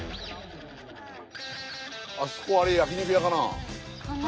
あそこあれ焼肉屋かな？